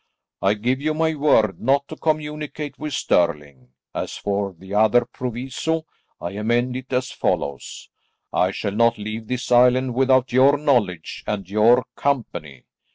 I give you my word not to communicate with Stirling. As for the other proviso, I amend it as follows. I shall not leave this island without your knowledge and your company.